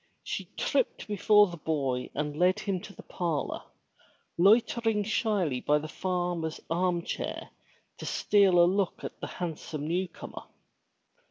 She tripped before the boy and led him to the parlor, loitering shyly by the farmer's arm chair to steal a look at the handsome new comer.